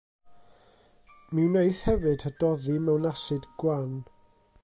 Mi wneith hefyd hydoddi mewn asid gwan.